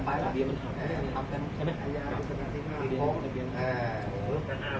สวัสดีครับทุกคน